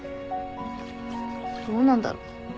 どうなんだろう。